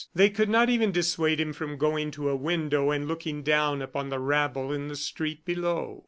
They could not even dissuade him from going to a window and looking down upon the rabble in the street below.